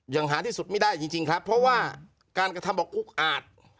หาที่สุดไม่ได้จริงครับเพราะว่าการกระทำบอกอุกอาจ